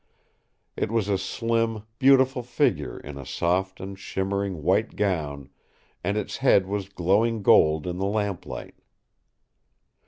It was a slim, beautiful figure in a soft and shimmering white gown, and its head was glowing gold in the lamplight.